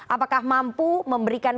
apakah mampu memberikan